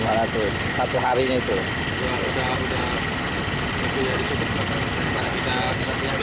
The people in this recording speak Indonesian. nah sudah cukup